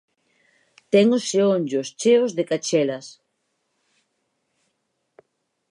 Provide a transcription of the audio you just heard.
Ten os xeonllos cheos de cachelas.